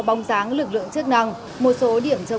con đang đợi xe cháy phép